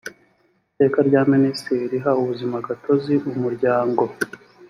iteka rya minisitiri riha ubuzimagatozi umuryango.